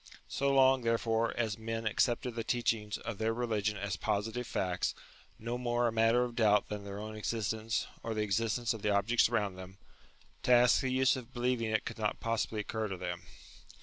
So long, therefore, as men accepted the teachings of their religion as posi tive facts, no more a matter of doubt than their own existence or the existence of the objects around them, 70 UTILITY OF RELIGION to ask the use of believing it could not possibly occur to them.